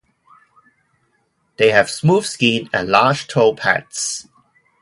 They have smooth skin and large toe pads.